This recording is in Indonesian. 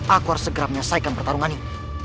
aku harus segera menyelesaikan pertarungannya